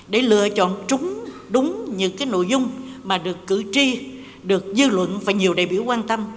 để lựa chọn đúng những nội dung mà được cử tri được dư luận và nhiều đại biểu quan tâm